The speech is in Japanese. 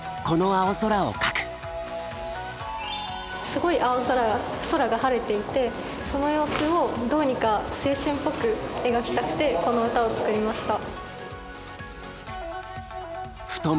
すごい青空が空が晴れていてその様子をどうにか青春っぽく描きたくてこの歌を作りました。